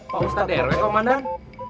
pak ustadz rw komandan